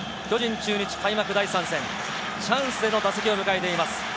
巨人・中日、開幕第３戦、チャンスでの打席を迎えています。